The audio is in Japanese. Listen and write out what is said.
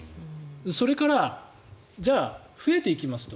それから、じゃあ増えていきますと。